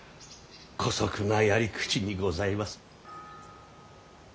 こそくなやり口にございます。